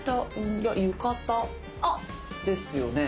浴衣ですよね？